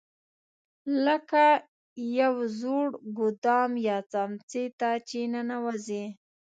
لکه یو زوړ ګودام یا څمڅې ته چې ننوځې.